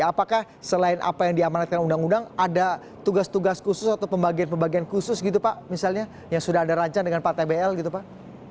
apakah selain apa yang diamanatkan undang undang ada tugas tugas khusus atau pembagian pembagian khusus gitu pak misalnya yang sudah ada rancang dengan pak tbl gitu pak